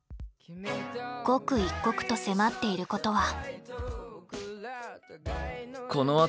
刻一刻と迫っていることは。